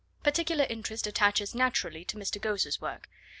Particular interest attaches naturally to Mr. Ghose's work.